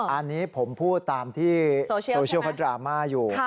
อันนี้ผมพูดตามที่โซเชียลเขาดราม่าอยู่